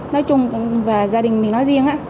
nói chung và gia đình mình nói riêng á